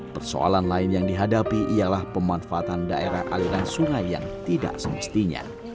persoalan lain yang dihadapi ialah pemanfaatan daerah aliran sungai yang tidak semestinya